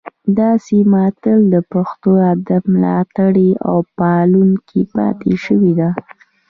دا سیمه تل د پښتو ادب ملاتړې او پالونکې پاتې شوې ده